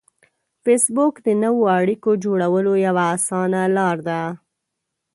فېسبوک د نوو اړیکو جوړولو یوه اسانه لار ده